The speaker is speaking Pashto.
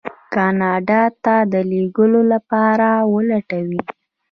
کاناډا ته د لېږلو لپاره ولټوي.